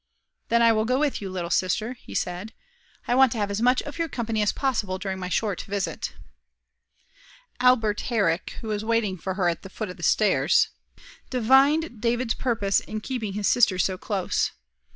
"Then I will go with you, little sister," he said. "I want to have as much of your company as possible during my short visit." Albert Herrick, who was waiting for her at the foot of the stairs, divined David's purpose in keeping his sister so close.